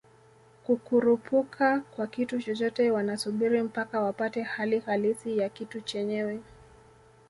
kukurupuka kwa kitu chochote wanasubiri mpaka wapate hali halisi ya kitu chenyewe